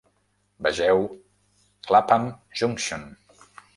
Vegeu Clapham Junction.